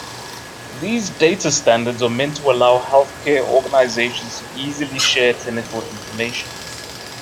These data standards are meant to allow healthcare organizations to easily share clinical information.